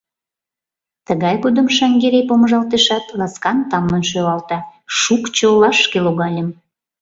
Тыгай годым Шаҥгерей помыжалтешат, ласкан-тамлын шӱлалта: «Шукчо олашке логальым.